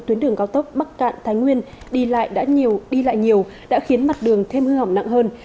tuyến đường cao tốc bắc cạn thái nguyên đi lại nhiều đã khiến mặt đường thêm hư hỏng nặng hơn